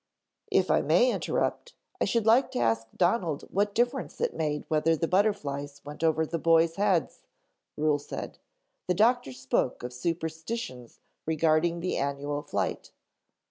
"If I may interrupt, I should like to ask Donald what difference it made whether the butterflies went over the boys' heads," Ruhel said. "The doctor spoke of superstitions regarding the annual flight."